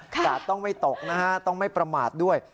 กาดต้องไม่ตกนะฮะต้องไม่ประมาทด้วย